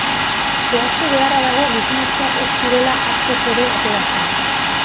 Zehaztu beharra dago gizonezkoak ez zirela askoz hobe ateratzen.